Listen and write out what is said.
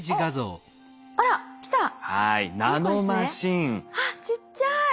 あっちっちゃい。